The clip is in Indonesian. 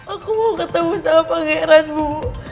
aku mau ketemu sama pangeran bu